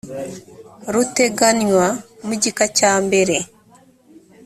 ruteganywa mu gika cya mbere